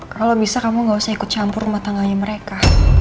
kalau bisa kamu gak usah ikut campur rumah tangganya mereka